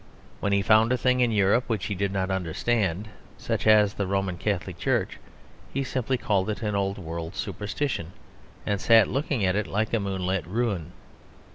When he found a thing in Europe which he did not understand, such as the Roman Catholic Church, he simply called it an old world superstition, and sat looking at it like a moonlit ruin.